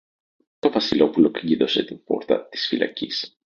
Το Βασιλόπουλο κλείδωσε την πόρτα της φυλακής